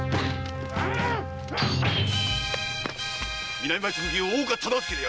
南町奉行・大岡忠相である！